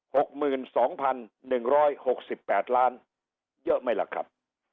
หกหมื่นสองพันหนึ่งร้อยหกสิบแปดล้านเยอะไหมล่ะครับ